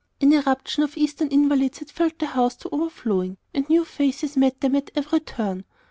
An irruption of Eastern invalids had filled the house to overflowing, and new faces met them at every turn.